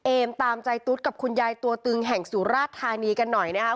เอมตามใจตุ๊ดกับคุณยายตัวตึงแห่งสุราชธานีกันหน่อยนะครับ